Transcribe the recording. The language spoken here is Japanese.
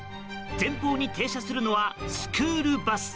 前方に停車するのはスクールバス。